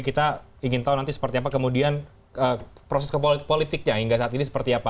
kita ingin tahu nanti seperti apa kemudian proses politiknya hingga saat ini seperti apa